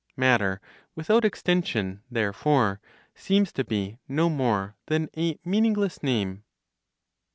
Matter without extension, therefore, seems to be no more than a meaningless name.